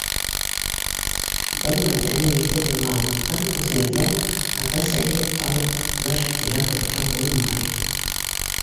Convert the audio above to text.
Был матдәнең еҫе булмағанлыҡтан, үҫмерҙә ата-әсә һиҙеп ҡалыр, тигән ҡурҡыу булмай.